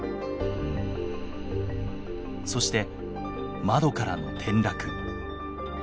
そして窓からの転落。